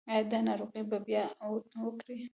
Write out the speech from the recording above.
ایا دا ناروغي به بیا عود وکړي؟